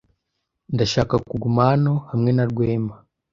Ndashaka kuguma hano hamwe na Rwema.